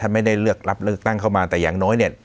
ไม่ได้เลือกรับเลือกตั้งเข้ามาแต่อย่างน้อยเนี่ย